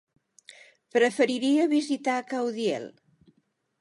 Preferiria visitar Caudiel.